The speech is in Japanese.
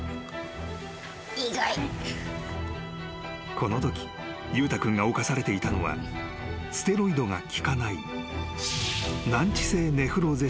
［このとき裕太君が侵されていたのはステロイドが効かない］